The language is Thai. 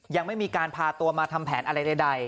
ยังไม่มีการพาตัวมาทำแผนอะไรใด